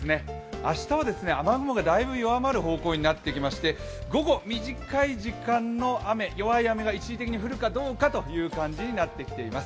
明日は雨雲がだいぶ弱まる方向になってきまして、午後、短い時間の雨、弱い雨が一時的に降るかどうかという感じになってきています。